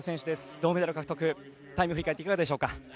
銅メダル獲得タイム振り返っていかがでしょうか？